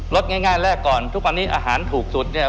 ลดง่ายแรกก่อนทุกวันนี้อาหารถูกสุดเนี่ย